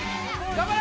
頑張れ！